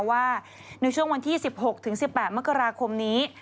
ว่าในช่วงวันที่๑๖๑๘มกราคมนี้